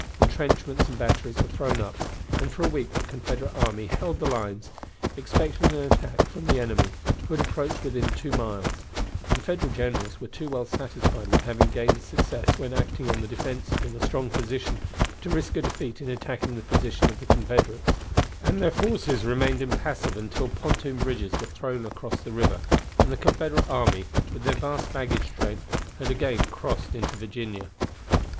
Intrenchments and batteries were thrown up, and for a week the Confederate army held the lines, expecting an attack from the enemy, who had approached within two miles; but the Federal generals were too well satisfied with having gained a success when acting on the defensive in a strong position to risk a defeat in attacking the position of the Confederates, and their forces remained impassive until pontoon bridges were thrown across the river, and the Confederate army, with their vast baggage train, had again crossed into Virginia.